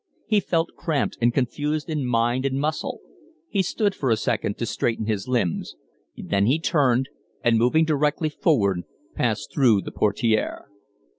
He felt cramped and confused in mind and muscle. He stood for a second to straighten his limbs; then he turned, and, moving directly forward, passed through the portiere.